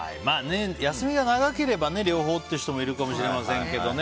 休みが長ければ両方っていう人もいるかもしれませんけどね